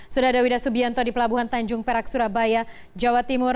sudada widha subianto di pelabuhan tanjung perak surabaya jawa timur